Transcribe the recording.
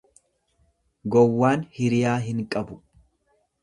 Gowwaan hiriyaa hin qabu.